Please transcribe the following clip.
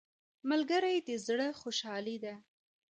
ملګری د زړه خوشحالي ده